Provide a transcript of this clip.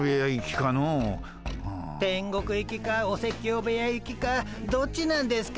天国行きかお説教部屋行きかどっちなんですか？